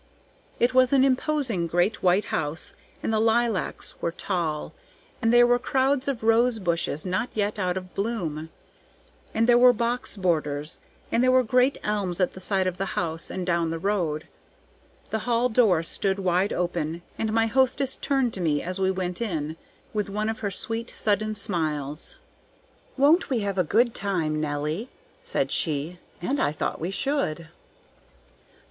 It was an imposing great white house, and the lilacs were tall, and there were crowds of rose bushes not yet out of bloom; and there were box borders, and there were great elms at the side of the house and down the road. The hall door stood wide open, and my hostess turned to me as we went in, with one of her sweet, sudden smiles. "Won't we have a good time, Nelly?" said she. And I thought we should.